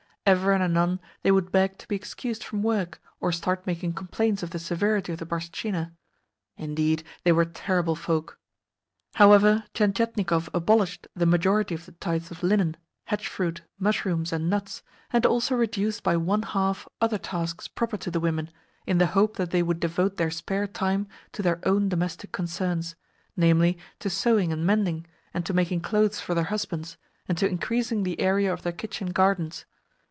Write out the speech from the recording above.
Ever and anon they would beg to be excused from work, or start making complaints of the severity of the barstchina. Indeed, they were terrible folk! However, Tientietnikov abolished the majority of the tithes of linen, hedge fruit, mushrooms, and nuts, and also reduced by one half other tasks proper to the women, in the hope that they would devote their spare time to their own domestic concerns namely, to sewing and mending, and to making clothes for their husbands, and to increasing the area of their kitchen gardens.